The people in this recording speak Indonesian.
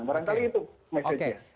barangkali itu mesejnya